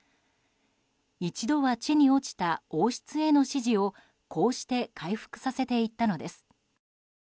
一度は地に落ちた王室への支持をこうして回復させていったのです。